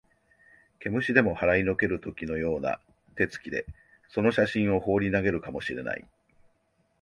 毛虫でも払いのける時のような手つきで、その写真をほうり投げるかも知れない